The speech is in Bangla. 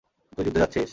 তুই যুদ্ধে যাচ্ছিস?